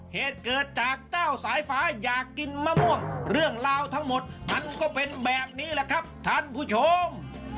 เหตุเกิดจากเจ้าสายฟ้าอยากกินมะม่วงเรื่องราวทั้งหมดมันก็เป็นแบบนี้แหละครับท่านผู้ชม